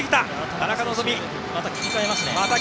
田中希実、また切り替えた。